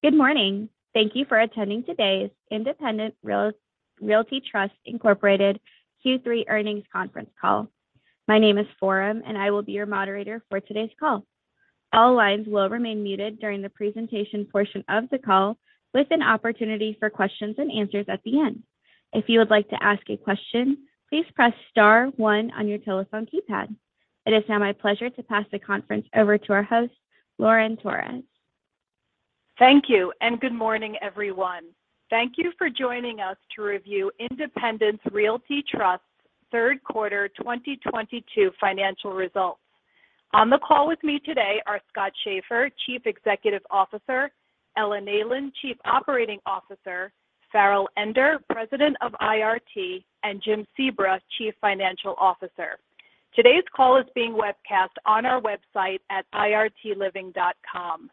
Good morning. Thank you for attending today's Independence Realty Trust, Inc. Q3 earnings conference call. My name is Forum, and I will be your moderator for today's call. All lines will remain muted during the presentation portion of the call with an opportunity for questions and answers at the end. If you would like to ask a question, please press star one on your telephone keypad. It is now my pleasure to turn the conference over to our host, Lauren Torres. Thank you, and good morning, everyone. Thank you for joining us to review Independence Realty Trust 3rd Quarter 2022 Financial Results. On the call with me today are Scott Schaeffer, Chief Executive Officer, Ella Neyland, Chief Operating Officer, Farrell Ender, President of IRT, and Jim Sebra, Chief Financial Officer. Today's call is being webcast on our website at irtliving.com.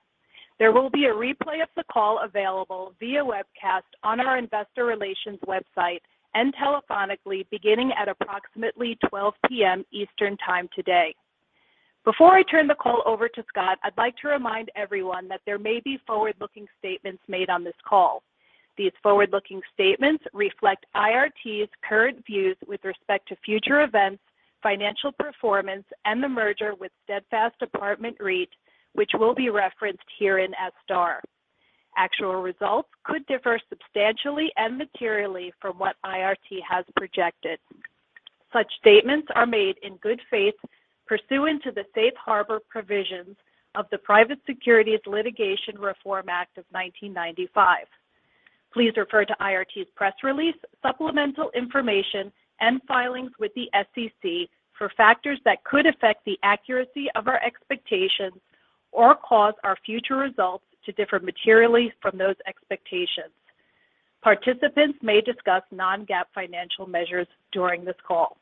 There will be a replay of the call available via webcast on our investor relations website and telephonically beginning at approximately 12:00 P.M. Eastern time today. Before I turn the call over to Scott, I'd like to remind everyone that there may be forward-looking statements made on this call. These forward-looking statements reflect IRT's current views with respect to future events, financial performance, and the merger with Steadfast Apartment REIT, which will be referenced herein as STAR. Actual results could differ substantially and materially from what IRT has projected. Such statements are made in good faith pursuant to the safe harbor provisions of the Private Securities Litigation Reform Act of 1995. Please refer to IRT's press release, supplemental information, and filings with the SEC for factors that could affect the accuracy of our expectations or cause our future results to differ materially from those expectations. Participants may discuss non-GAAP financial measures during this call.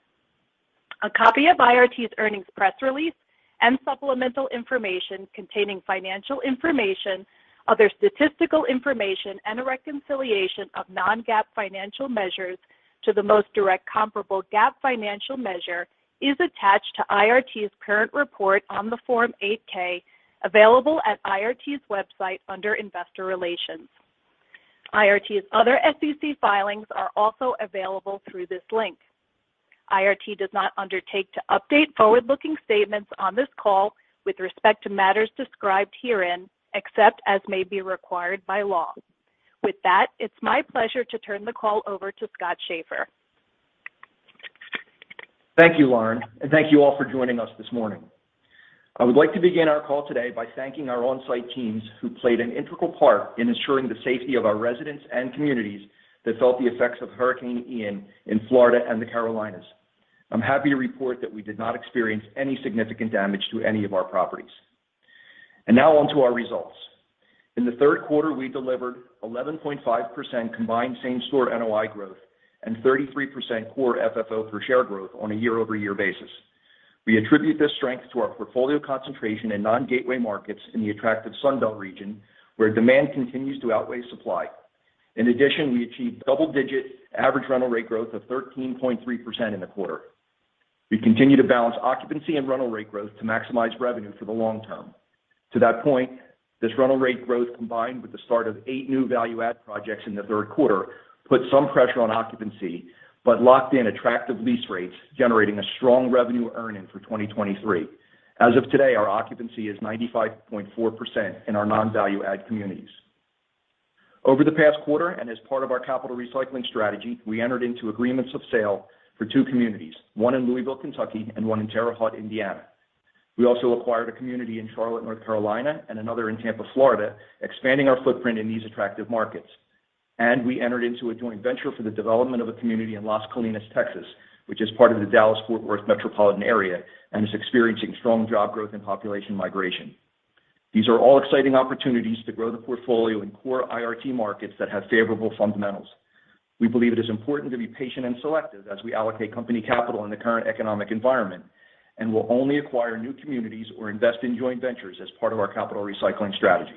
A copy of IRT's earnings press release and supplemental information containing financial information, other statistical information, and a reconciliation of non-GAAP financial measures to the most directly comparable GAAP financial measure is attached to IRT's current report on Form 8-K, available at IRT's website under Investor Relations. IRT's other SEC filings are also available through this link. IRT does not undertake to update forward-looking statements on this call with respect to matters described herein, except as may be required by law. With that, it's my pleasure to turn the call over to Scott Schaeffer. Thank you, Lauren, and thank you all for joining us this morning. I would like to begin our call today by thanking our on-site teams who played an integral part in ensuring the safety of our residents and communities that felt the effects of Hurricane Ian in Florida and the Carolinas. I'm happy to report that we did not experience any significant damage to any of our properties. Now on to our results. In the 3rd quarter, we delivered 11.5% combined same-store NOI growth and 33% core FFO per share growth on a year-over-year basis. We attribute this strength to our portfolio concentration in non-gateway markets in the attractive Sun Belt region, where demand continues to outweigh supply. In addition, we achieved double-digit average rental rate growth of 13.3% in the quarter. We continue to balance occupancy and rental rate growth to maximize revenue for the long term. To that point, this rental rate growth, combined with the start of 8 new value-add projects in the 3rd quarter, put some pressure on occupancy but locked in attractive lease rates, generating a strong revenue earning for 2023. As of today, our occupancy is 95.4% in our non-value-add communities. Over the past quarter and as part of our capital recycling strategy, we entered into agreements of sale for two communities, one in Louisville, Kentucky, and one in Terre Haute, Indiana. We also acquired a community in Charlotte, North Carolina, and another in Tampa, Florida, expanding our footprint in these attractive markets. We entered into a joint venture for the development of a community in Las Colinas, Texas, which is part of the Dallas-Fort Worth metropolitan area and is experiencing strong job growth and population migration. These are all exciting opportunities to grow the portfolio in core IRT markets that have favorable fundamentals. We believe it is important to be patient and selective as we allocate company capital in the current economic environment and will only acquire new communities or invest in joint ventures as part of our capital recycling strategy.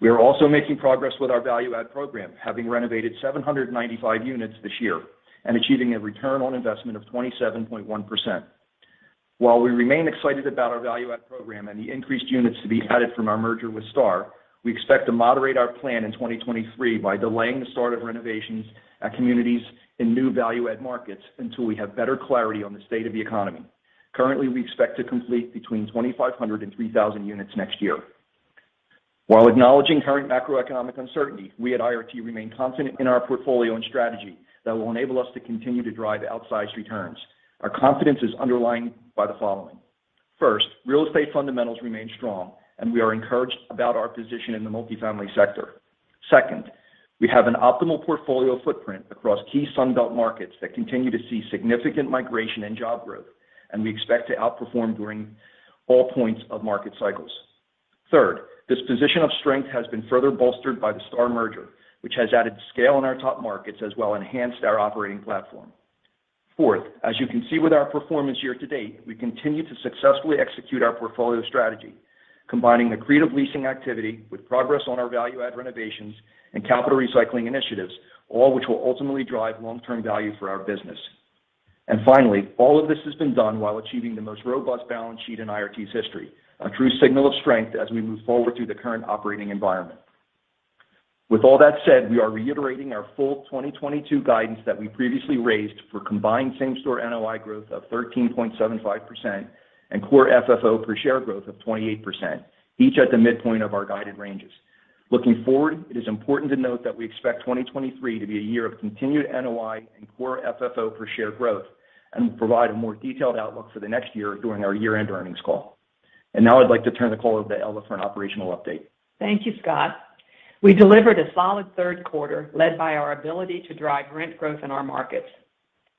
We are also making progress with our value add program, having renovated 795 units this year and achieving a return on investment of 27.1%. While we remain excited about our value add program and the increased units to be added from our merger with STAR, we expect to moderate our plan in 2023 by delaying the start of renovations at communities in new value add markets until we have better clarity on the state of the economy. Currently, we expect to complete between 2,500 and 3,000 units next year. While acknowledging current macroeconomic uncertainty, we at IRT remain confident in our portfolio and strategy that will enable us to continue to drive outsized returns. Our confidence is underlined by the following. First, real estate fundamentals remain strong, and we are encouraged about our position in the multifamily sector. Second, we have an optimal portfolio footprint across key Sun Belt markets that continue to see significant migration and job growth, and we expect to outperform during all points of market cycles. Third, this position of strength has been further bolstered by the STAR merger, which has added scale in our top markets as well as enhanced our operating platform. Fourth, as you can see with our performance year to date, we continue to successfully execute our portfolio strategy, combining accretive leasing activity with progress on our value add renovations and capital recycling initiatives, all which will ultimately drive long-term value for our business. Finally, all of this has been done while achieving the most robust balance sheet in IRT's history. A true signal of strength as we move forward through the current operating environment. With all that said, we are reiterating our full 2022 guidance that we previously raised for combined same-store NOI growth of 13.75% and core FFO per share growth of 28%, each at the midpoint of our guided ranges. Looking forward, it is important to note that we expect 2023 to be a year of continued NOI and core FFO per share growth and provide a more detailed outlook for the next year during our year-end earnings call. Now I'd like to turn the call over to Ella for an operational update. Thank you, Scott. We delivered a solid 3rd quarter led by our ability to drive rent growth in our markets.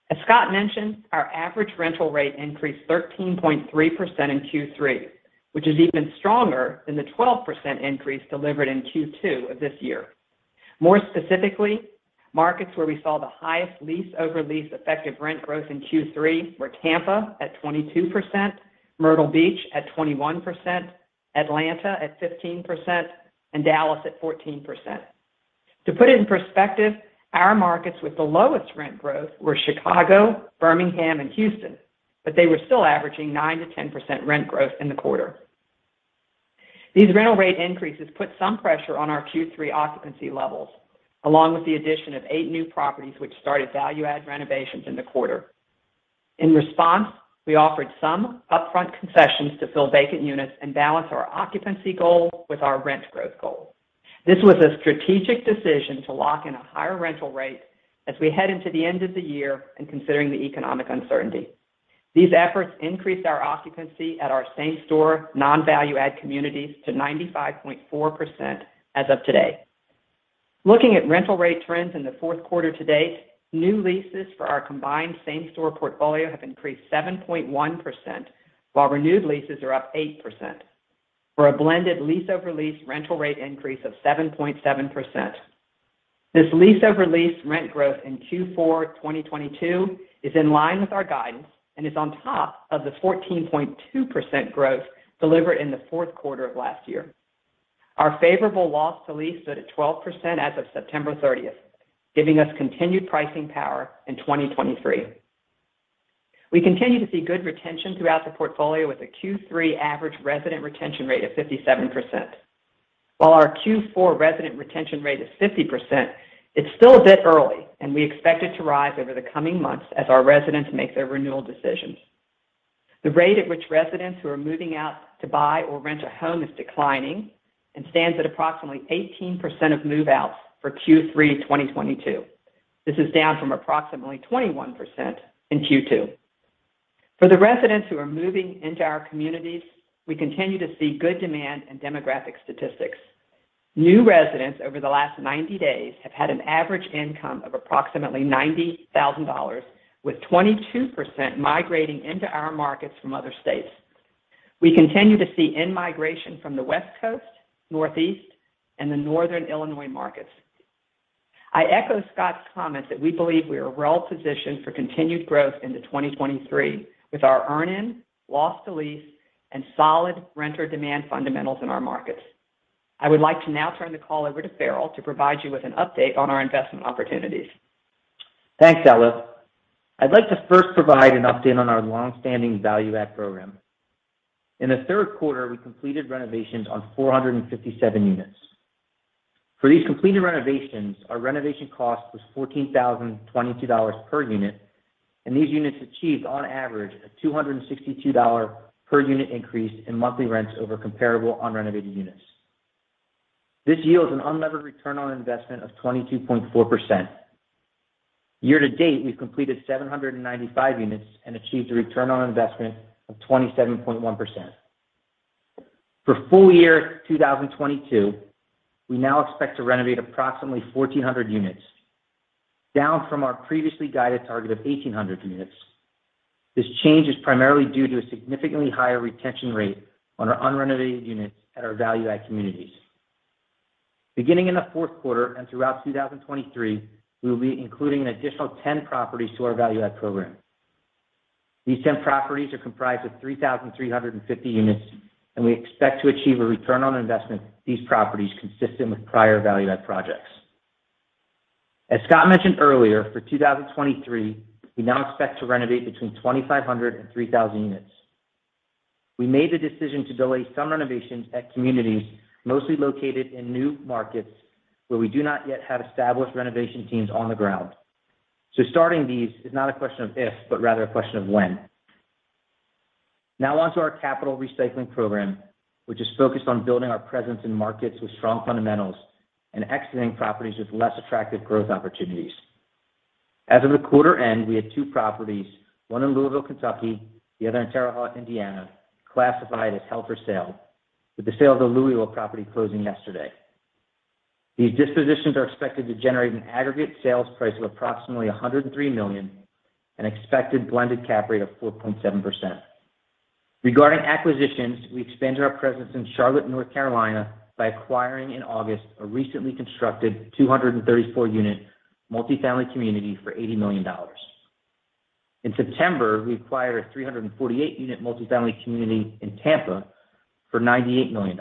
As Scott mentioned, our average rental rate increased 13.3% in Q3, which is even stronger than the 12% increase delivered in Q2 of this year. More specifically, markets where we saw the highest lease over lease effective rent growth in Q3 were Tampa at 22%, Myrtle Beach at 21%, Atlanta at 15%, and Dallas at 14%. To put it in perspective, our markets with the lowest rent growth were Chicago, Birmingham, and Houston, but they were still averaging 9%-10% rent growth in the quarter. These rental rate increases put some pressure on our Q3 occupancy levels, along with the addition of eight new properties which started value add renovations in the quarter. In response, we offered some upfront concessions to fill vacant units and balance our occupancy goal with our rent growth goal. This was a strategic decision to lock in a higher rental rate as we head into the end of the year and considering the economic uncertainty. These efforts increased our occupancy at our same store non-value add communities to 95.4% as of today. Looking at rental rate trends in the 4th quarter to date, new leases for our combined same store portfolio have increased 7.1%, while renewed leases are up 8% for a blended lease over lease rental rate increase of 7.7%. This lease over lease rent growth in Q4 2022 is in line with our guidance and is on top of the 14.2% growth delivered in the 4th quarter of last year. Our favorable loss to lease stood at 12% as of September 30th, giving us continued pricing power in 2023. We continue to see good retention throughout the portfolio with a Q3 average resident retention rate of 57%. While our Q4 resident retention rate is 50%, it's still a bit early, and we expect it to rise over the coming months as our residents make their renewal decisions. The rate at which residents who are moving out to buy or rent a home is declining and stands at approximately 18% of move-outs for Q3 2022. This is down from approximately 21% in Q2. For the residents who are moving into our communities, we continue to see good demand and demographic statistics. New residents over the last 90 days have had an average income of approximately $90,000, with 22% migrating into our markets from other states. We continue to see in-migration from the West Coast, Northeast, and the Northern Illinois markets. I echo Scott's comments that we believe we are well-positioned for continued growth into 2023 with our earn-in, loss to lease, and solid renter demand fundamentals in our markets. I would like to now turn the call over to Farrell to provide you with an update on our investment opportunities. Thanks, Ella. I'd like to 1st provide an update on our long-standing value add program. In the 3rd quarter, we completed renovations on 457 units. For these completed renovations, our renovation cost was $14,022 per unit, and these units achieved on average a $262 per unit increase in monthly rents over comparable unrenovated units. This yields an unlevered return on investment of 22.4%. Year to date, we've completed 795 units and achieved a return on investment of 27.1%. For full year 2022, we now expect to renovate approximately 1,400 units, down from our previously guided target of 1,800 units. This change is primarily due to a significantly higher retention rate on our unrenovated units at our value add communities. Beginning in the 4th quarter and throughout 2023, we will be including an additional 10 properties to our value add program. These 10 properties are comprised of 3,350 units, and we expect to achieve a return on investment these properties consistent with prior value add projects. As Scott mentioned earlier, for 2023, we now expect to renovate between 2,500 and 3,000 units. We made the decision to delay some renovations at communities mostly located in new markets where we do not yet have established renovation teams on the ground. Starting these is not a question of if, but rather a question of when. Now on to our capital recycling program, which is focused on building our presence in markets with strong fundamentals and exiting properties with less attractive growth opportunities. As of the quarter end, we had two properties, one in Louisville, Kentucky, the other in Terre Haute, Indiana, classified as held for sale, with the sale of the Louisville property closing yesterday. These dispositions are expected to generate an aggregate sales price of approximately $103 million and expected blended cap rate of 4.7%. Regarding acquisitions, we expanded our presence in Charlotte, North Carolina, by acquiring in August a recently constructed 234 unit multifamily community for $80 million. In September, we acquired a 348 unit multifamily community in Tampa for $98 million.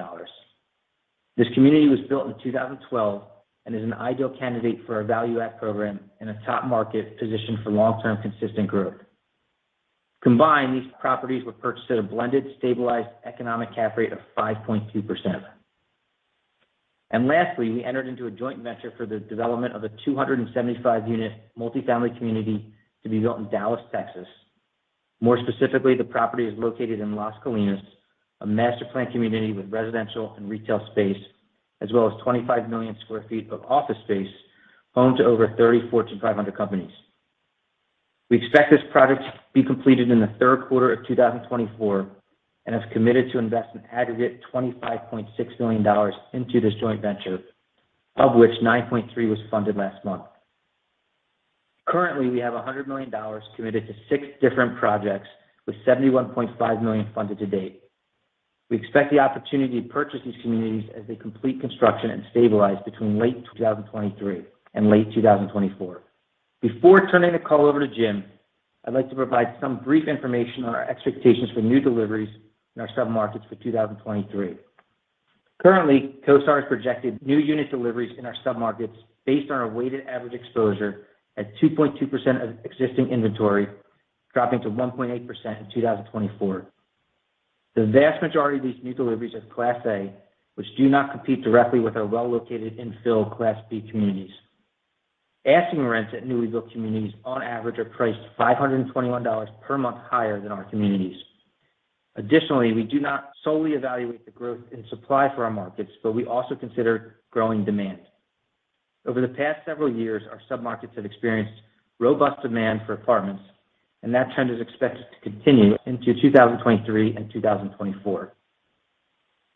This community was built in 2012 and is an ideal candidate for a value add program in a top market position for long-term consistent growth. Combined, these properties were purchased at a blended, stabilized economic cap rate of 5.2%. Lastly, we entered into a joint venture for the development of a 275 unit multifamily community to be built in Dallas, Texas. More specifically, the property is located in Las Colinas, a master planned community with residential and retail space as well as 25 million sq ft of office space home to over 30 Fortune 500 companies. We expect this project to be completed in the 3rd quarter of 2024 and have committed to invest an aggregate $25.6 million into this joint venture, of which $9.3 million was funded last month. Currently, we have $100 million committed to six different projects with $71.5 million funded to date. We expect the opportunity to purchase these communities as they complete construction and stabilize between late 2023 and late 2024. Before turning the call over to Jim, I'd like to provide some brief information on our expectations for new deliveries in our submarkets for 2023. Currently, CoStar has projected new unit deliveries in our submarkets based on our weighted average exposure at 2.2% of existing inventory, dropping to 1.8% in 2024. The vast majority of these new deliveries are Class A, which do not compete directly with our well-located infill Class B communities. Asking rents at newly built communities on average are priced $521 per month higher than our communities. Additionally, we do not solely evaluate the growth in supply for our markets, but we also consider growing demand. Over the past several years, our submarkets have experienced robust demand for apartments, and that trend is expected to continue into 2023 and 2024.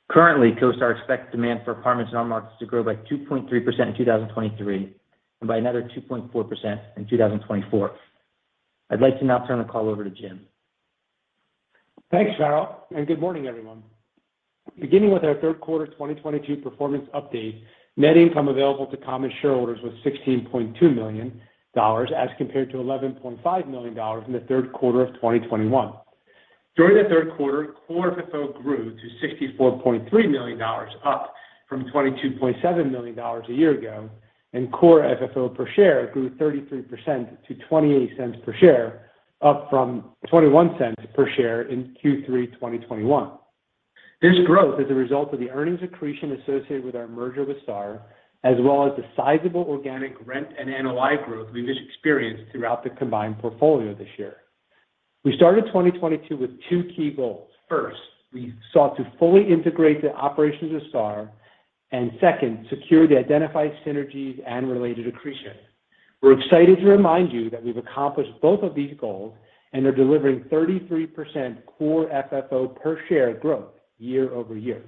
Currently, CoStar expects demand for apartments in our markets to grow by 2.3% in 2023 and by another 2.4% in 2024. I'd like to now turn the call over to Jim. Thanks, Farrell, and good morning, everyone. Beginning with our 3rd quarter 2022 performance update, net income available to common shareholders was $16.2 million as compared to $11.5 million in the 3rd quarter of 2021. During the 3rd quarter, core FFO grew to $64.3 million, up from $22.7 million a year ago, and core FFO per share grew 33% to $0.28 per share, up from $0.21 per share in Q3 2021. This growth is a result of the earnings accretion associated with our merger with STAR, as well as the sizable organic rent and NOI growth we've experienced throughout the combined portfolio this year. We started 2022 with two key goals. First, we sought to fully integrate the operations of STAR and 2nd, secure the identified synergies and related accretion. We're excited to remind you that we've accomplished both of these goals and are delivering 33% Core FFO per share growth year-over-year.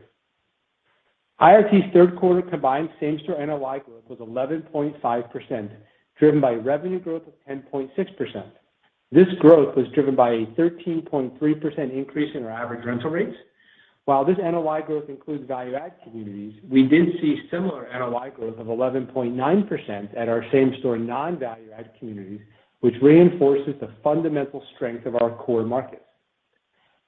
IRT's 3rd quarter combined same-store NOI growth was 11.5%, driven by revenue growth of 10.6%. This growth was driven by a 13.3% increase in our average rental rates. While this NOI growth includes value add communities, we did see similar NOI growth of 11.9% at our same-store non-value add communities, which reinforces the fundamental strength of our core markets.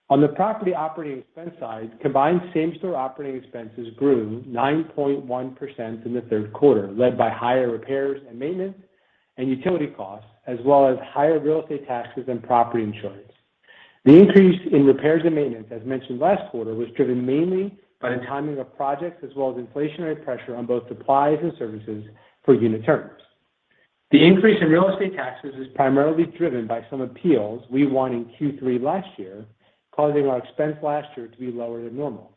On the property operating expense side, combined same-store operating expenses grew 9.1% in the 3rd quarter, led by higher repairs and maintenance and utility costs, as well as higher real estate taxes and property insurance. The increase in repairs and maintenance, as mentioned last quarter, was driven mainly by the timing of projects as well as inflationary pressure on both supplies and services for unit turns. The increase in real estate taxes is primarily driven by some appeals we won in Q3 last year, causing our expense last year to be lower than normal.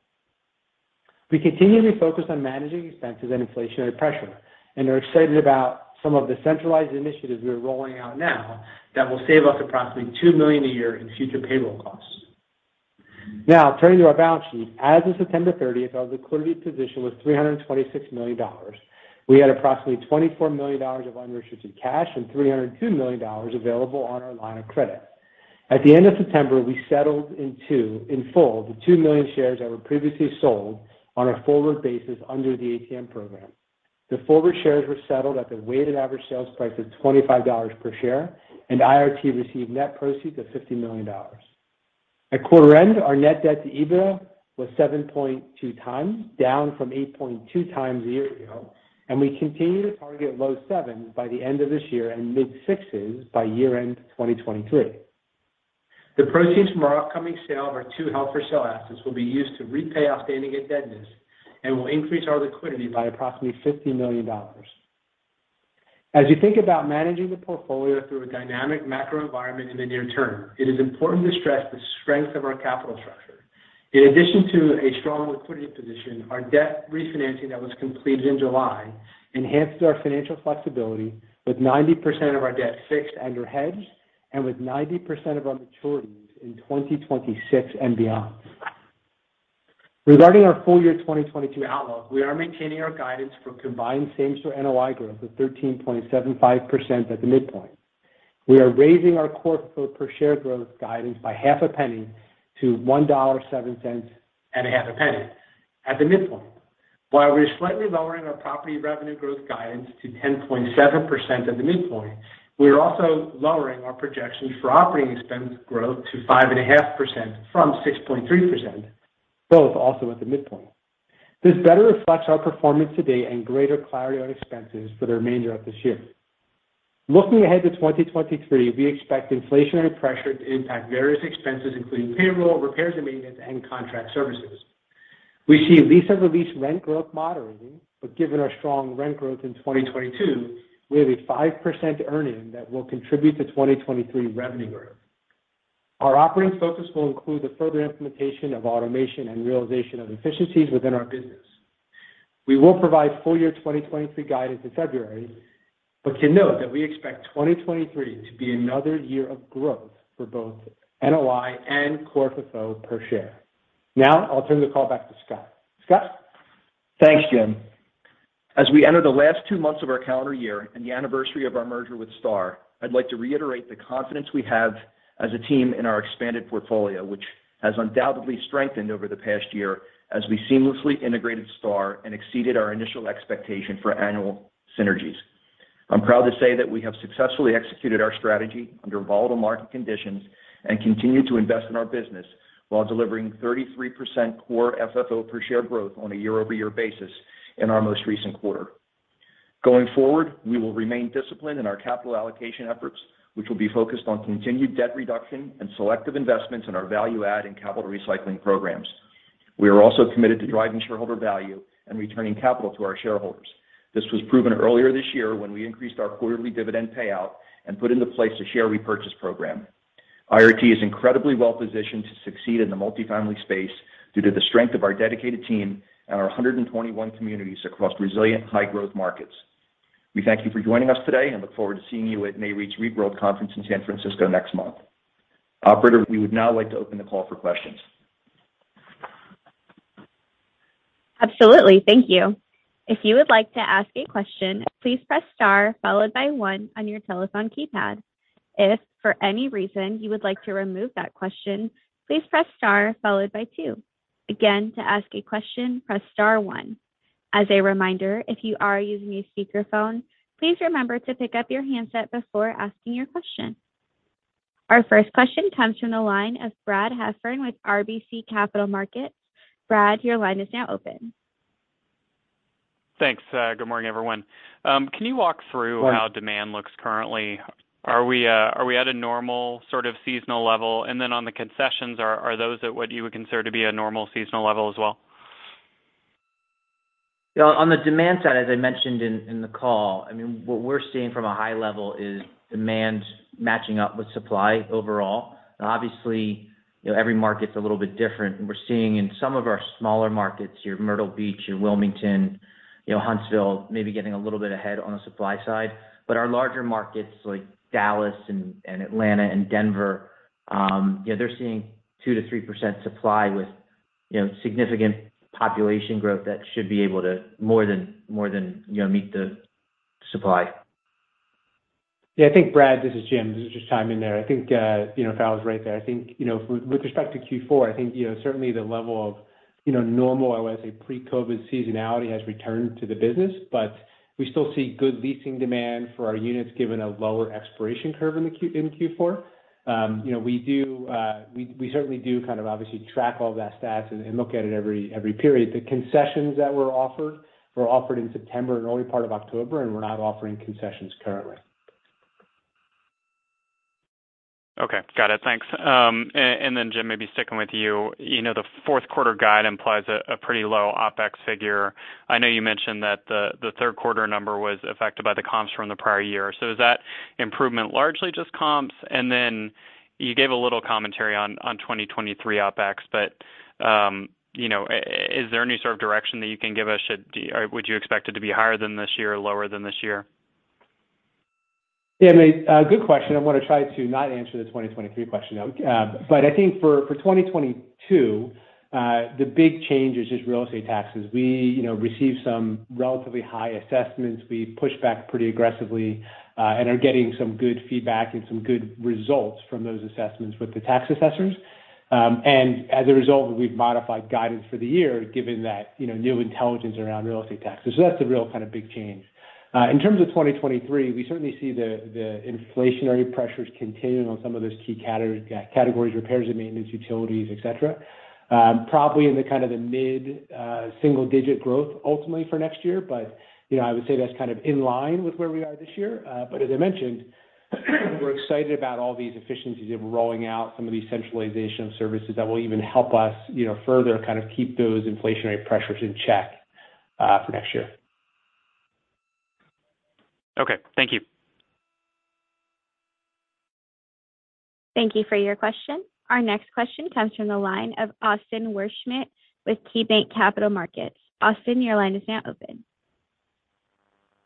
We continually focus on managing expenses and inflationary pressure and are excited about some of the centralized initiatives we are rolling out now that will save us approximately $2 million a year in future payroll costs. Now, turning to our balance sheet. As of September 30th, our liquidity position was $326 million. We had approximately $24 million of unrestricted cash and $302 million available on our line of credit. At the end of September, we settled in full the 2 million shares that were previously sold on a forward basis under the ATM program. The forward shares were settled at the weighted average sales price of $25 per share, and IRT received net proceeds of $50 million. At quarter end, our net debt to EBITDA was 7.2x, down from 8.2x a year ago, and we continue to target low sevens by the end of this year and mid-sixes by year-end 2023. The proceeds from our upcoming sale of our two held-for-sale assets will be used to repay outstanding indebtedness and will increase our liquidity by approximately $50 million. As you think about managing the portfolio through a dynamic macro environment in the near term, it is important to stress the strength of our capital structure. In addition to a strong liquidity position, our debt refinancing that was completed in July enhanced our financial flexibility with 90% of our debt fixed under hedge and with 90% of our maturities in 2026 and beyond. Regarding our full year 2022 outlook, we are maintaining our guidance for combined same-store NOI growth of 13.75% at the midpoint. We are raising our Core FFO per share growth guidance by $0.0005-$1.07 and $0.0005 at the midpoint. While we're slightly lowering our property revenue growth guidance to 10.7% at the midpoint, we are also lowering our projections for operating expense growth to 5.5% from 6.3%, both also at the midpoint. This better reflects our performance to date and greater clarity on expenses for the remainder of this year. Looking ahead to 2023, we expect inflationary pressure to impact various expenses, including payroll, repairs and maintenance, and contract services. We see loss to lease rent growth moderating, but given our strong rent growth in 2022, we have a 5% earn-in that will contribute to 2023 revenue growth. Our operating focus will include the further implementation of automation and realization of efficiencies within our business. We will provide full year 2023 guidance in February, but to note that we expect 2023 to be another year of growth for both NOI and Core FFO per share. Now I'll turn the call back to Scott. Scott? Thanks, Jim. As we enter the last two months of our calendar year and the anniversary of our merger with STAR, I'd like to reiterate the confidence we have as a team in our expanded portfolio, which has undoubtedly strengthened over the past year as we seamlessly integrated STAR and exceeded our initial expectation for annual synergies. I'm proud to say that we have successfully executed our strategy under volatile market conditions and continue to invest in our business while delivering 33% Core FFO per share growth on a year-over-year basis in our most recent quarter. Going forward, we will remain disciplined in our capital allocation efforts, which will be focused on continued debt reduction and selective investments in our value add and capital recycling programs. We are also committed to driving shareholder value and returning capital to our shareholders. This was proven earlier this year when we increased our quarterly dividend payout and put into place a share repurchase program. IRT is incredibly well positioned to succeed in the multifamily space due to the strength of our dedicated team and our 121 communities across resilient high-growth markets. We thank you for joining us today and look forward to seeing you at Nareit's REITweek conference in San Francisco next month. Operator, we would now like to open the call for questions. Absolutely. Thank you. If you would like to ask a question, please press star followed by one on your telephone keypad. If for any reason you would like to remove that question, please press star followed by two. Again, to ask a question, press star one. As a reminder, if you are using a speakerphone, please remember to pick up your handset before asking your question. Our 1st question comes from the line of Brad Heffern with RBC Capital Markets. Brad, your line is now open. Thanks. Good morning, everyone. Can you walk through? Hi How demand looks currently? Are we at a normal sort of seasonal level? On the concessions, are those at what you would consider to be a normal seasonal level as well? Yeah, on the demand side, as I mentioned in the call, I mean, what we're seeing from a high level is demand matching up with supply overall. Obviously, you know, every market's a little bit different, and we're seeing in some of our smaller markets, your Myrtle Beach, your Wilmington, you know, Huntsville, maybe getting a little bit ahead on the supply side. But our larger markets like Dallas and Atlanta and Denver, you know, they're seeing 2%-3% supply with, you know, significant population growth that should be able to more than, you know, meet the supply. Yeah, I think, Brad, this is Jim. Just chime in there. I think, you know, if I was right there, I think, you know, with respect to Q4, I think, you know, certainly the level of, you know, normal or I say pre-COVID seasonality has returned to the business, but we still see good leasing demand for our units given a lower expiration curve in Q4. You know, we do, we certainly do kind of obviously track all that stats and look at it every period. The concessions that were offered were offered in September and early part of October, and we're not offering concessions currently. Okay. Got it. Thanks. Then Jim, maybe sticking with you. You know, the 4th quarter guide implies a pretty low OpEx figure. I know you mentioned that the 3rd quarter number was affected by the comps from the prior year. Is that improvement largely just comps? Then you gave a little commentary on 2023 OpEx, but you know, is there any sort of direction that you can give us? Or would you expect it to be higher than this year or lower than this year? Yeah, mate, good question. I'm gonna try to not answer the 2023 question. I think for 2022, the big change is just real estate taxes. We, you know, received some relatively high assessments. We pushed back pretty aggressively, and are getting some good feedback and some good results from those assessments with the tax assessors. And as a result, we've modified guidance for the year given that, you know, new intelligence around real estate taxes. That's the real kind of big change. In terms of 2023, we certainly see the inflationary pressures continuing on some of those key categories, repairs and maintenance, utilities, et cetera. Probably in the kind of the mid single digit growth ultimately for next year. You know, I would say that's kind of in line with where we are this year. As I mentioned, we're excited about all these efficiencies of rolling out some of these centralization services that will even help us, you know, further kind of keep those inflationary pressures in check, for next year. Okay. Thank you. Thank you for your question. Our next question comes from the line of Austin Wurschmidt with KeyBanc Capital Markets. Austin, your line is now open.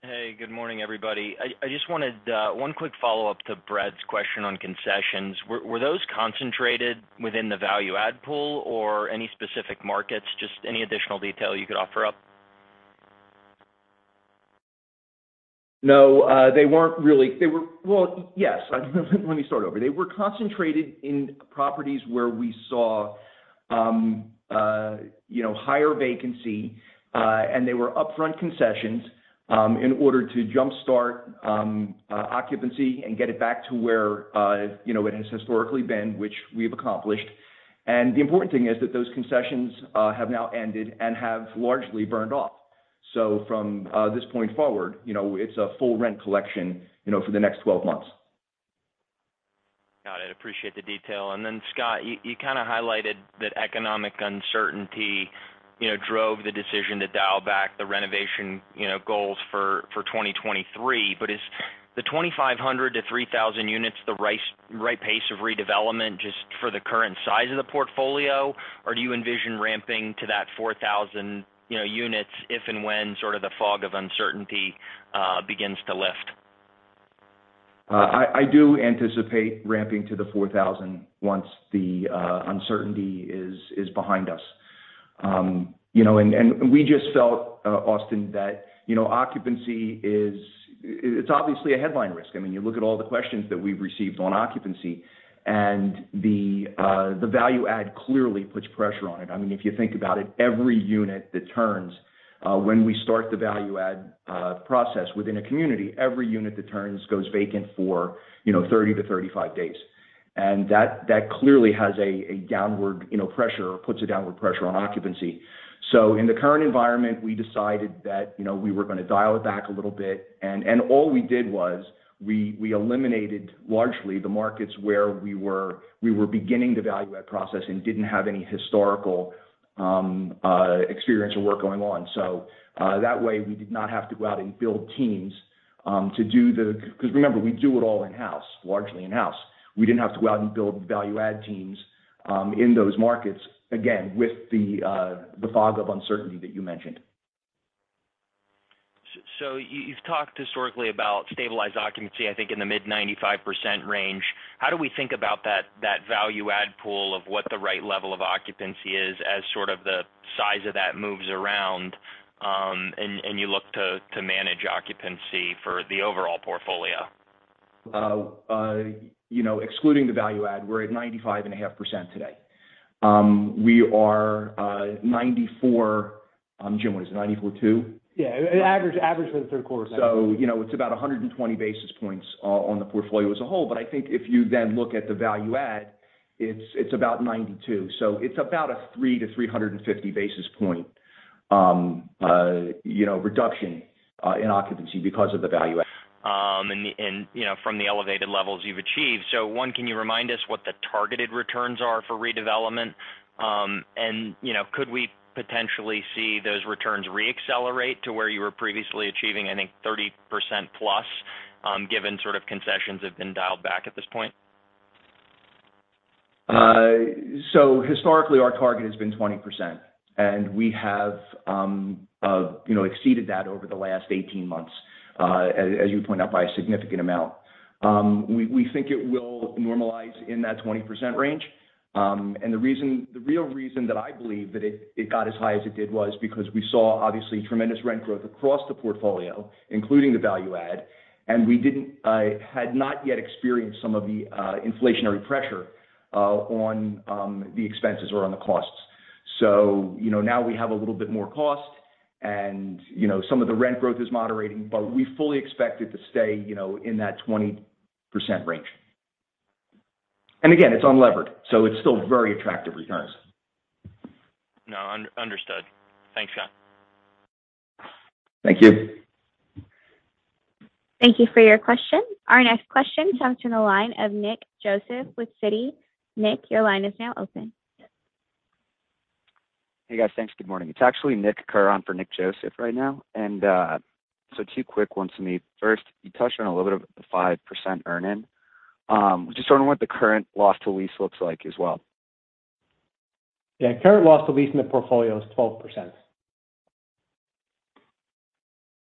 Hey, good morning, everybody. I just wanted one quick follow-up to Brad's question on concessions. Were those concentrated within the value add pool or any specific markets? Just any additional detail you could offer up. No, they weren't really. Well, yes. Let me start over. They were concentrated in properties where we saw, you know, higher vacancy, and they were upfront concessions, in order to jump-start occupancy and get it back to where, you know, it has historically been, which we have accomplished. The important thing is that those concessions have now ended and have largely burned off. From this point forward, you know, it's a full rent collection, you know, for the next 12 months. Got it. Appreciate the detail. Then, Scott, you kinda highlighted that economic uncertainty, you know, drove the decision to dial back the renovation, you know, goals for 2023. Is the 2,500-3,000 units the right pace of redevelopment just for the current size of the portfolio? Or do you envision ramping to that 4,000, you know, units if and when sort of the fog of uncertainty begins to lift? I do anticipate ramping to the 4,000 once the uncertainty is behind us. You know, we just felt, Austin, that you know, occupancy is. It's obviously a headline risk. I mean, you look at all the questions that we've received on occupancy, and the value add clearly puts pressure on it. I mean, if you think about it, every unit that turns when we start the value add process within a community, every unit that turns goes vacant for, you know, 30-35 days. That clearly has a downward, you know, pressure or puts a downward pressure on occupancy. In the current environment, we decided that, you know, we were gonna dial it back a little bit. All we did was we eliminated largely the markets where we were beginning the value add process and didn't have any historical experience or work going on. that way we did not have to go out and build teams, 'cause remember, we do it all in-house, largely in-house. We didn't have to go out and build value add teams in those markets, again, with the fog of uncertainty that you mentioned. You've talked historically about stabilized occupancy, I think in the mid-95% range. How do we think about that value add pool of what the right level of occupancy is as sort of the size of that moves around, and you look to manage occupancy for the overall portfolio? You know, excluding the value add, we're at 95.5% today. We are 94.2%? Jim, what is it, 94.2%? Yeah. Average for the 3rd quarter. you know, it's about 120 basis points on the portfolio as a whole. I think if you then look at the value add, it's about 92%. it's about a 300 basis point-350 basis point reduction in occupancy because of the value add. You know, from the elevated levels you've achieved. One, can you remind us what the targeted returns are for redevelopment? You know, could we potentially see those returns re-accelerate to where you were previously achieving, I think, 30%+, given sort of concessions have been dialed back at this point? Historically, our target has been 20%, and we have, you know, exceeded that over the last 18 months, as you point out, by a significant amount. We think it will normalize in that 20% range. The real reason that I believe that it got as high as it did was because we saw obviously tremendous rent growth across the portfolio, including the value add, and we had not yet experienced some of the inflationary pressure on the expenses or on the costs. You know, now we have a little bit more cost and, you know, some of the rent growth is moderating, but we fully expect it to stay, you know, in that 20% range. Again, it's unlevered, so it's still very attractive returns. No, understood. Thanks, Scott. Thank you. Thank you for your question. Our next question comes from the line of Nick Joseph with Citi. Nick, your line is now open. Hey, guys. Thanks. Good morning. It's actually Nick Curran for Nick Joseph right now. Two quick ones from me. First, you touched on a little bit of the 5% earn-in. Just wondering what the current loss to lease looks like as well? Yeah. Current loss to lease in the portfolio is 12%.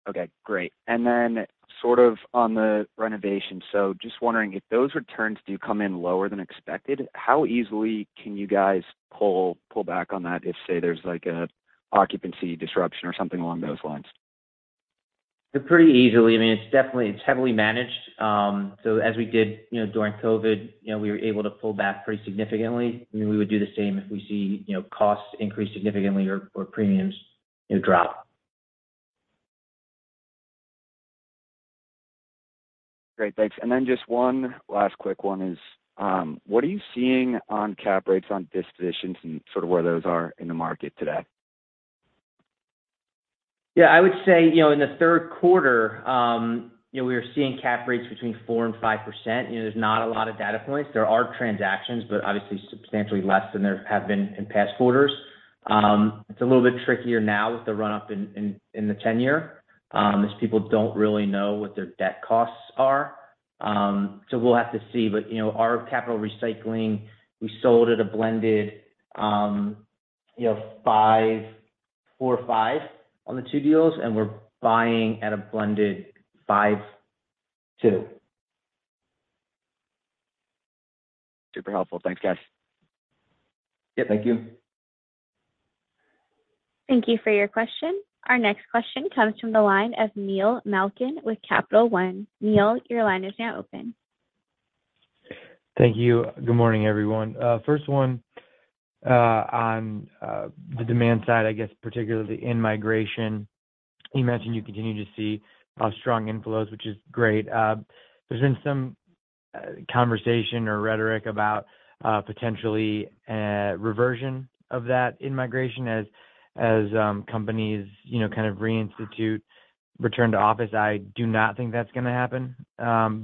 Okay, great. Sort of on the renovation. Just wondering if those returns do come in lower than expected, how easily can you guys pull back on that if, say, there's like a occupancy disruption or something along those lines? Pretty easily. I mean, it's definitely heavily managed. As we did, you know, during COVID, you know, we were able to pull back pretty significantly. I mean, we would do the same if we see, you know, costs increase significantly or premiums, you know, drop. Great. Thanks. Just one last quick one is, what are you seeing on cap rates on dispositions and sort of where those are in the market today? I would say, you know, in the 3rd quarter, we were seeing cap rates between 4% and 5%. You know, there's not a lot of data points. There are transactions, but obviously substantially less than there have been in past quarters. It's a little bit trickier now with the run-up in the ten-year, as people don't really know what their debt costs are. So we'll have to see. You know, our capital recycling, we sold at a blended 4% or 5% on the two deals, and we're buying at a blended 5.2%. Super helpful. Thanks, guys. Yeah, thank you. Thank you for your question. Our next question comes from the line of Neil Malkin with Capital One. Neil, your line is now open. Thank you. Good morning, everyone. First one, on the demand side, I guess particularly in migration. You mentioned you continue to see strong inflows, which is great. There's been some conversation or rhetoric about potentially a reversion of that in-migration as companies, you know, kind of reinstitute return to office. I do not think that's gonna happen. Can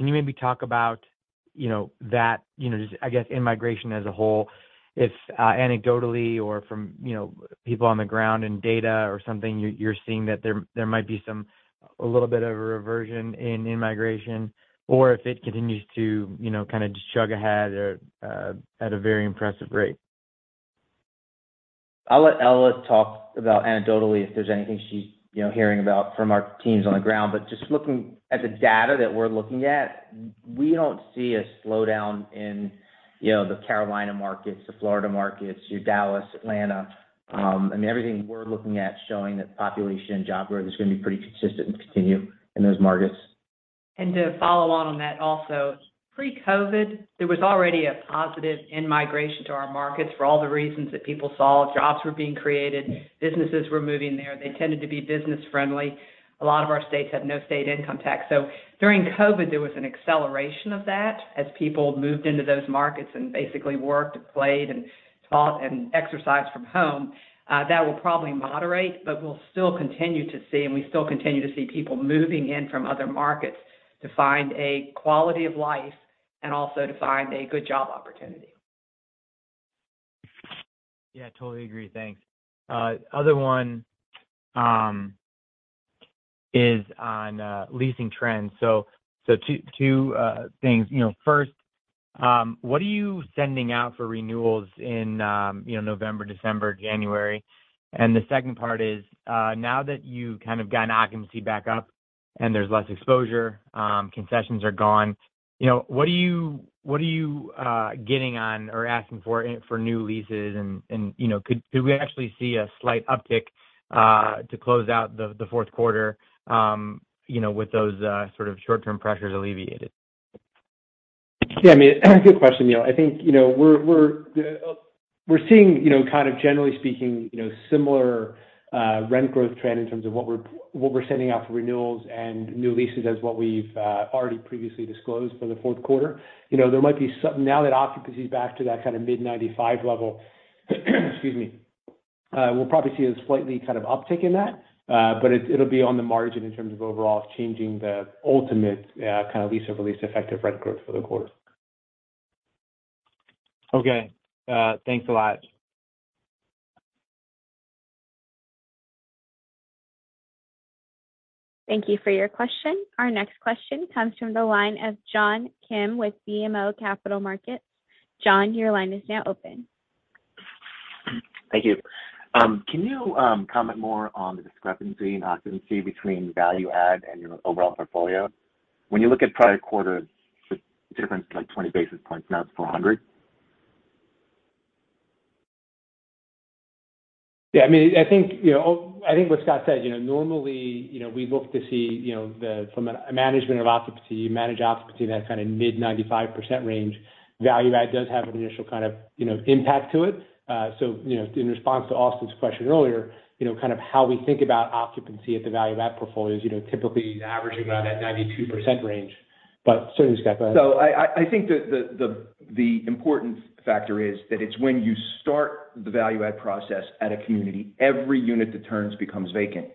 you maybe talk about, you know, that, you know, just I guess in-migration as a whole, if anecdotally or from, you know, people on the ground in data or something, you're seeing that there might be some a little bit of a reversion in-migration or if it continues to, you know, kind of just chug ahead or at a very impressive rate? I'll let Ella talk about anecdotally if there's anything she's, you know, hearing about from our teams on the ground. Just looking at the data that we're looking at, we don't see a slowdown in, you know, the Carolina markets, the Florida markets, your Dallas, Atlanta, I mean, everything we're looking at is showing that population and job growth is gonna be pretty consistent and continue in those markets. To follow on that also. Pre-COVID, there was already a positive in-migration to our markets for all the reasons that people saw. Jobs were being created, businesses were moving there. They tended to be business friendly. A lot of our states have no state income tax. During COVID, there was an acceleration of that as people moved into those markets and basically worked, played, and taught, and exercised from home. That will probably moderate, but we'll still continue to see, and we still continue to see people moving in from other markets to find a quality of life and also to find a good job opportunity. Yeah, totally agree. Thanks. Other one is on leasing trends. Two things. You know, 1st, what are you sending out for renewals in, you know, November, December, January? The 2nd part is, now that you kind of got an occupancy back up and there's less exposure, concessions are gone, you know, what are you getting on or asking for in for new leases? You know, could we actually see a slight uptick to close out the 4th quarter, you know, with those sort of short-term pressures alleviated? Yeah. I mean, good question, Neil. I think, you know, we're seeing, you know, kind of generally speaking, you know, similar rent growth trend in terms of what we're sending out for renewals and new leases as what we've already previously disclosed for the 4th quarter. You know, now that occupancy is back to that kind of mid 95% level, we'll probably see a slightly kind of uptick in that. It'll be on the margin in terms of overall changing the ultimate kind of lease-over-lease effective rent growth for the quarter. Okay. Thanks a lot. Thank you for your question. Our next question comes from the line of John Kim with BMO Capital Markets. John, your line is now open. Thank you. Can you comment more on the discrepancy in occupancy between value add and your overall portfolio? When you look at prior quarters, the difference is like 20 basis points. Now it's 400 basis point. Yeah, I mean, I think, you know, I think what Scott said. You know, normally, you know, we look to see, you know, from a management of occupancy, you manage occupancy in that kind of mid 95% range. Value add does have an initial kind of, you know, impact to it. You know, in response to Austin's question earlier, you know, kind of how we think about occupancy at the value add portfolio is, you know, typically averaging around that 92% range. Certainly, Scott, go ahead. I think the important factor is that it's when you start the value add process at a community, every unit that turns becomes vacant.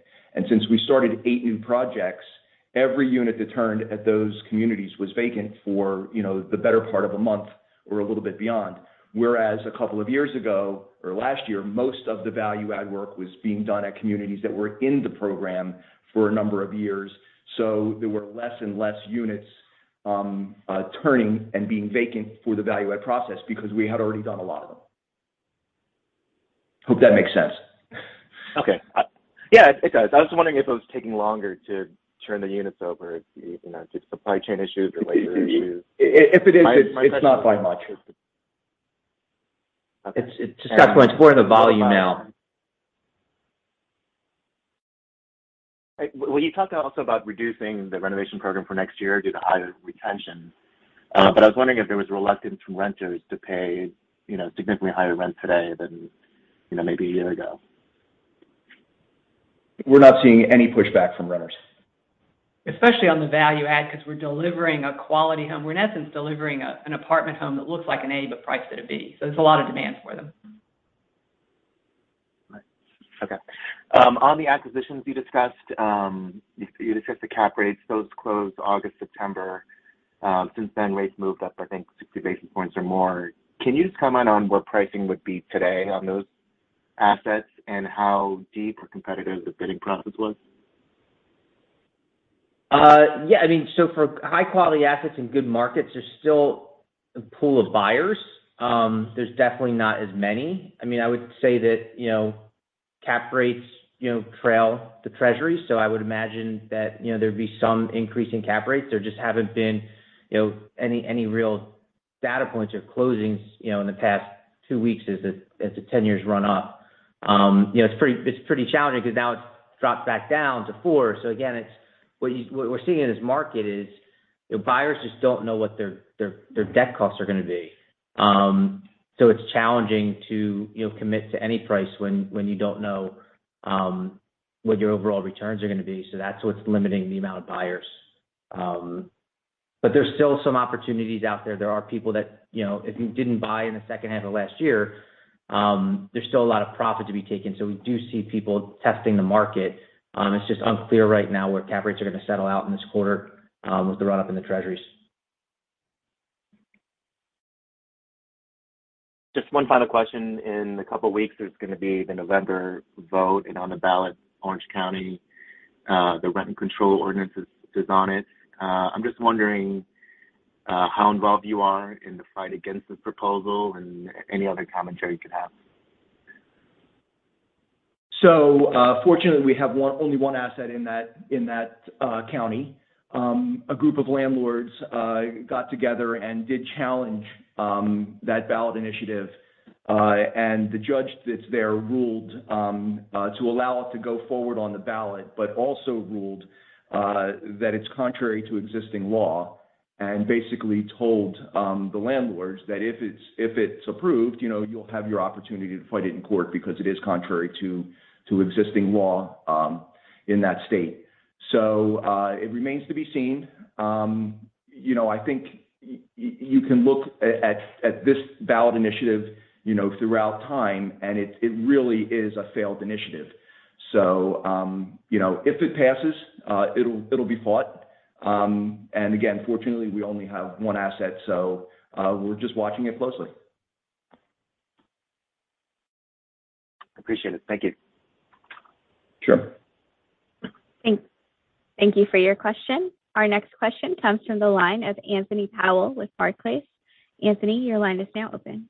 Since we started eight new projects, every unit that turned at those communities was vacant for, you know, the better part of a month or a little bit beyond. Whereas a couple of years ago, or last year, most of the value add work was being done at communities that were in the program for a number of years. There were less and less units turning and being vacant for the value add process because we had already done a lot of them. Hope that makes sense. Okay. Yeah, it does. I was wondering if it was taking longer to turn the units over, you know, due to supply chain issues or labor issues. If it is, it's not by much. Okay. It's just that point. It's more the volume now. Well, you talked also about reducing the renovation program for next year due to higher retention. I was wondering if there was reluctance from renters to pay, you know, significantly higher rent today than, you know, maybe a year ago? We're not seeing any pushback from renters. Especially on the value add 'cause we're delivering a quality home. We're in essence delivering an apartment home that looks like an A, but priced at a B. There's a lot of demand for them. Right. Okay. On the acquisitions you discussed, you discussed the cap rates. Those closed August, September. Since then, rates moved up, I think 60 basis points or more. Can you just comment on where pricing would be today on those assets and how deep or competitive the bidding process was? Yeah, I mean, for high-quality assets in good markets, there's still a pool of buyers. There's definitely not as many. I mean, I would say that, you know, cap rates, you know, trail the Treasury. I would imagine that, you know, there'd be some increase in cap rates. There just haven't been, you know, any real data points or closings, you know, in the past two weeks as the 10 year run-up. You know, it's pretty challenging 'cause now it's dropped back down to four. What we're seeing in this market is buyers just don't know what their debt costs are gonna be. It's challenging to, you know, commit to any price when you don't know what your overall returns are gonna be. That's what's limiting the amount of buyers. There's still some opportunities out there. There are people that, you know, if you didn't buy in the 2nd half of last year, there's still a lot of profit to be taken. We do see people testing the market. It's just unclear right now where cap rates are gonna settle out in this quarter, with the run-up in the Treasuries. Just one final question. In a couple of weeks, there's gonna be the November vote. On the ballot, Orange County, the rent control ordinance is on it. I'm just wondering how involved you are in the fight against this proposal and any other commentary you could have? Fortunately, we have only one asset in that county. A group of landlords got together and did challenge that ballot initiative. The judge that's there ruled to allow it to go forward on the ballot, but also ruled that it's contrary to existing law, and basically told the landlords that if it's approved, you know, you'll have your opportunity to fight it in court because it is contrary to existing law in that state. It remains to be seen. You know, I think you can look at this ballot initiative, you know, throughout time, and it really is a failed initiative. You know, if it passes, it'll be fought. Again, fortunately, we only have one asset, so we're just watching it closely. Appreciate it. Thank you. Sure. Thank you for your question. Our next question comes from the line of Anthony Powell with Barclays. Anthony, your line is now open.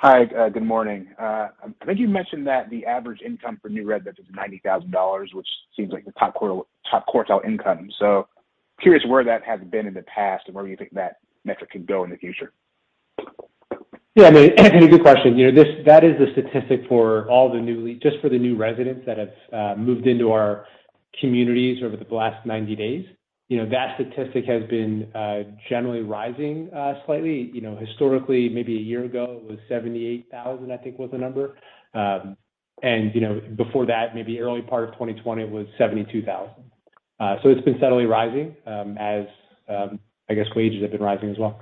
Hi, good morning. I think you mentioned that the average income for new residents is $90,000, which seems like the top quartile income. Curious where that has been in the past and where you think that metric could go in the future? Yeah, I mean, Anthony, good question. You know, that is a statistic just for the new residents that have moved into our communities over the last 90 days. You know, that statistic has been generally rising slightly. You know, historically, maybe a year ago, it was 78,000, I think was the number. You know, before that, maybe early part of 2020, it was 72,000. It's been steadily rising as I guess wages have been rising as well.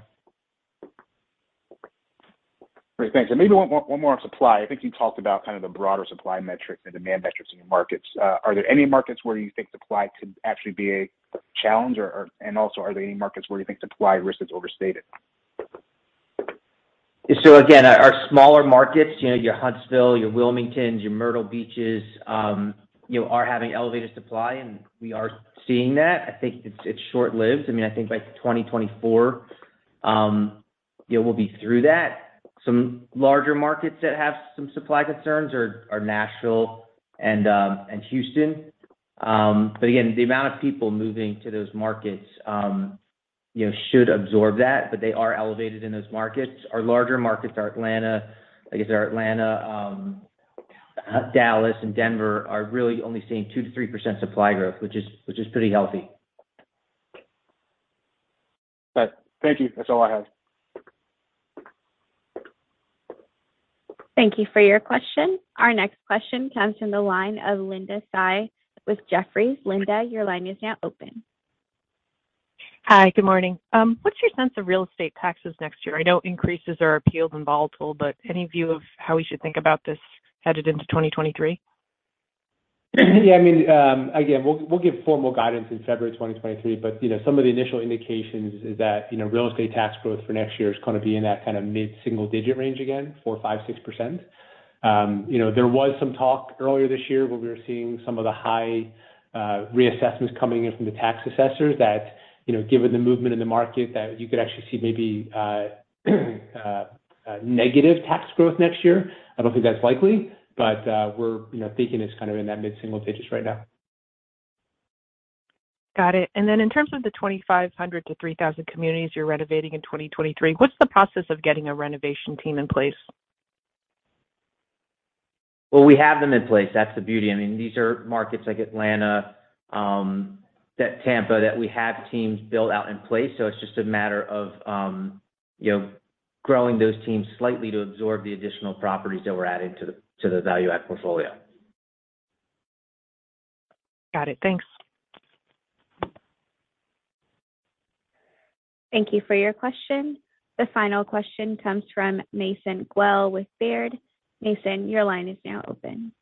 Great. Thanks. Maybe one more on supply. I think you talked about kind of the broader supply metrics and demand metrics in your markets. Are there any markets where you think supply could actually be a challenge? Or, also, are there any markets where you think supply risk is overstated? Again, our smaller markets, you know, your Huntsville, your Wilmingtons, your Myrtle Beaches, you know, are having elevated supply, and we are seeing that. I think it's short-lived. I mean, I think by 2024, you know, we'll be through that. Some larger markets that have some supply concerns are Nashville and Houston. But again, the amount of people moving to those markets, you know, should absorb that, but they are elevated in those markets. Our larger markets are Atlanta, I guess, our Atlanta, Dallas and Denver are really only seeing 2%-3% supply growth, which is pretty healthy. Right. Thank you. That's all I have. Thank you for your question. Our next question comes from the line of Linda Tsai with Jefferies. Linda, your line is now open. Hi, good morning. What's your sense of real estate taxes next year? I know increases, appeals, and volatility, but any view of how we should think about this headed into 2023? Yeah, I mean, again, we'll give formal guidance in February 2023. You know, some of the initial indications is that, you know, real estate tax growth for next year is gonna be in that kind of mid-single digit range again, 4, 5, 6%. You know, there was some talk earlier this year where we were seeing some of the high reassessments coming in from the tax assessors that, you know, given the movement in the market, that you could actually see maybe negative tax growth next year. I don't think that's likely, but, we're, you know, thinking it's kind of in that mid-single digits right now. Got it. In terms of the 2,500-3,000 communities you're renovating in 2023, what's the process of getting a renovation team in place? Well, we have them in place. That's the beauty. I mean, these are markets like Atlanta, Tampa, that we have teams built out in place. So it's just a matter of, you know, growing those teams slightly to absorb the additional properties that we're adding to the value add portfolio. Got it. Thanks. Thank you for your question. The final question comes from Mason Guell with Baird. Mason, your line is now open.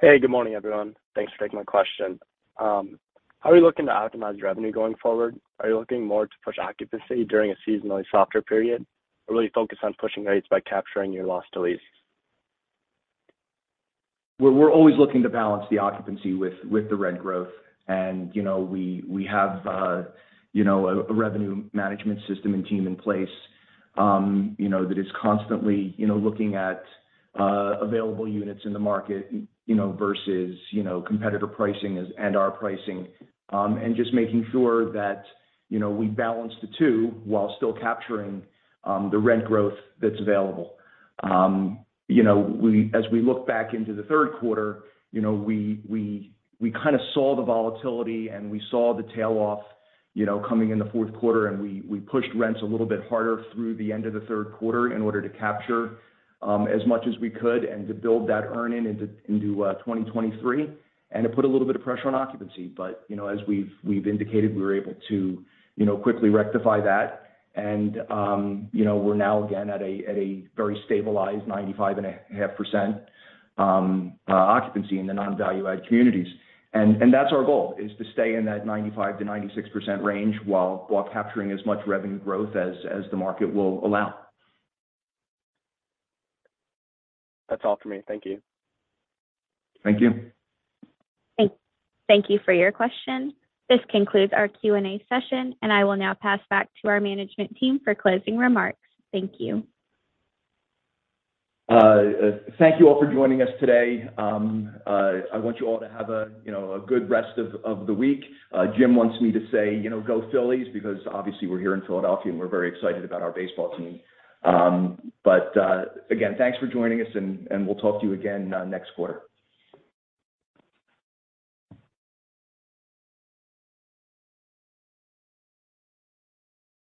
Hey, good morning, everyone. Thanks for taking my question. How are you looking to optimize revenue going forward? Are you looking more to push occupancy during a seasonally softer period, or really focused on pushing rates by capturing your lost leases? We're always looking to balance the occupancy with the rent growth. You know, we have you know, a revenue management system and team in place, you know, that is constantly you know, looking at available units in the market, you know, versus you know, competitor pricing and our pricing, and just making sure that you know, we balance the two while still capturing the rent growth that's available. As we look back into the 3rd quarter, you know, we kind of saw the volatility and we saw the tail off, you know, coming in the 4th quarter, and we pushed rents a little bit harder through the end of the 3rd quarter in order to capture as much as we could and to build that earn-in into 2023, and to put a little bit of pressure on occupancy. You know, as we've indicated, we were able to quickly rectify that. You know, we're now again at a very stabilized 95.5% occupancy in the non-value add communities and that's our goal, is to stay in that 95%-96% range while capturing as much revenue growth as the market will allow. That's all for me. Thank you. Thank you. Thank you for your question. This concludes our Q&A session, and I will now pass back to our management team for closing remarks. Thank you. Thank you all for joining us today. I want you all to have a, you know, a good rest of the week. Jim wants me to say, you know, go Phillies, because obviously we're here in Philadelphia, and we're very excited about our baseball team. Again, thanks for joining us and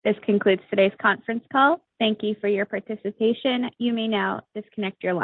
we'll talk to you again next quarter. This concludes today's conference call. Thank you for your participation. You may now disconnect your line.